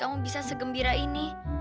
kamu bisa segembira ini